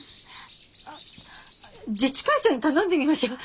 自治会長に頼んでみましょう。